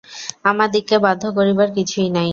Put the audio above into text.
আমাদিগকে বাধ্য করিবার কিছুই নাই।